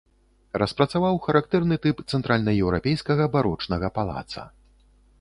Распрацаваў характэрны тып цэнтральнаеўрапейскага барочнага палаца.